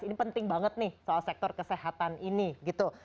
ini penting banget nih soal sektor kesehatan ini gitu